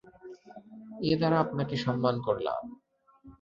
এ দ্বারা আপনাকে সম্মান করলাম।